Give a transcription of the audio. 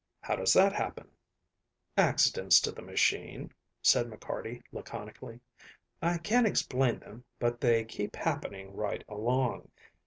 How does that happen?" "Accidents to the machine," said McCarty laconically. "I can't explain them, but they keep happening right along.